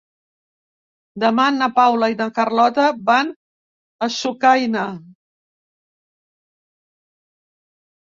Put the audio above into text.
Demà na Paula i na Carlota van a Sucaina.